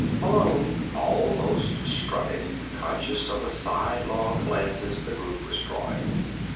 Malone almost strutted, conscious of the sidelong glances the group was drawing.